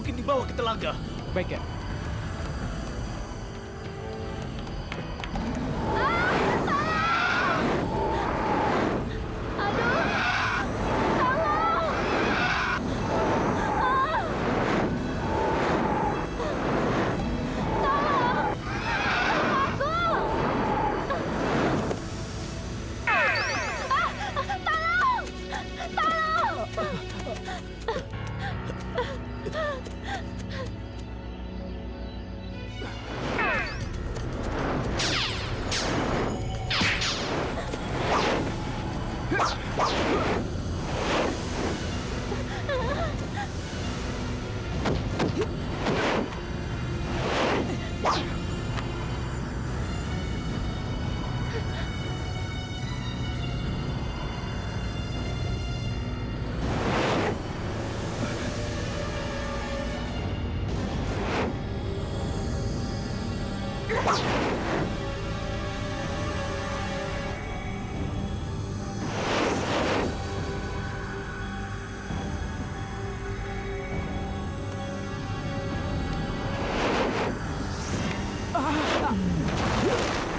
mas aku selalu mencintaimu